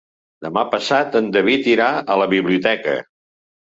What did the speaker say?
Demà passat en David irà a la biblioteca.